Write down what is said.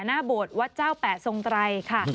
หน้าโบดวัดเจ้าแปะทรงไตรค่ะ